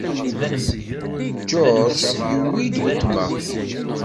George yiwi wetma.